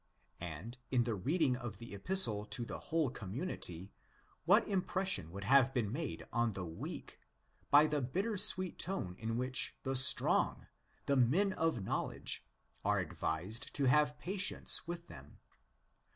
And, in the reading of the Epistle to the whole community, what impres sion would have been made on the '' weak"' by the bitter sweet tone in which the ''strong," the men of '' knowledge," are 'advised to have patience with them?